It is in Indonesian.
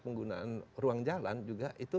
penggunaan ruang jalan juga itu